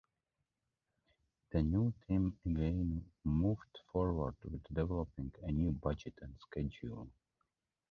The new team again moved forward with developing a new budget and schedule.